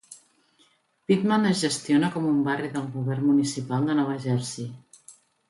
Pitman es gestiona com un barri del govern municipal de Nova Jersey.